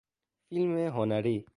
فیلم هنری